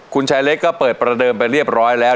คุณชายเล็กก็เปิดประเดิมไปเรียบร้อยแล้ว